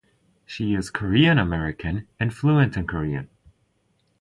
She is Korean American and fluent in Korean.